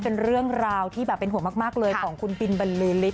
เป็นเรื่องราวที่แบบเป็นห่วงมากเลยของคุณบินบรรลือฤท